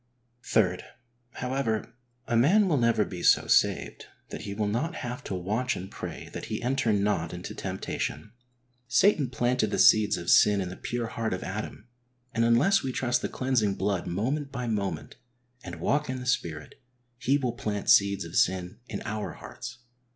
(3.) However, a man will never be so saved that he will not have to watch and pray that he enter not into temptation. Satan planted the seeds of sin in the pure heart of Adam, and unless we trust the cleansing blood moment by moment, and walk in the Spirit, he will plant seeds of sin in our hearts.